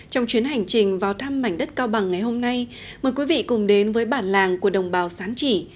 trong chuyến hành trình vào thăm mảnh đất cao bằng ngày hôm nay mời quý vị cùng đến với bản làng của đồng bào sán chỉ